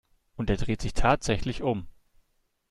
Und er dreht sich tatsächlich um.